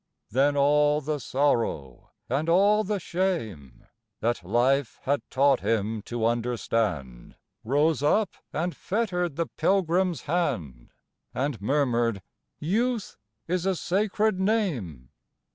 Then all the sorrow and all the shame, That life had taught him to understand, Rose up, and fettered the Pilgrim's hand, And murmur'd: "Youth is a sacred name."